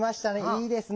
いいですね。